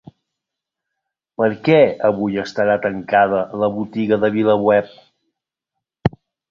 Per què avui estarà tancada la botiga de VilaWeb?